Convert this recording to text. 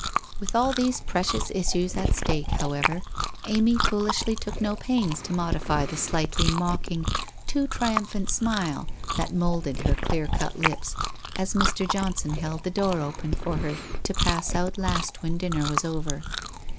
With all these precious issues at stake, however, Amy foolishly took no pains to modify the slightly mocking, too triumphant smile that moulded her clear cut lips as Mr. Johnson held the door open for her to pass out last when dinner was over.